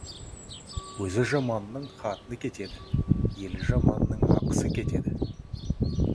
Өзі жаманның қатыны кетеді, елі жаманның ақысы кетеді.